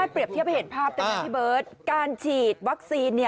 พูดไปเห็นภาพได้ไหมพี่เบิร์ตการฉีดวัคซีน